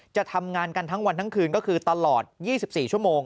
จะทำงานกันทั้งวันทั้งคืนก็คือตลอด๒๔ชั่วโมง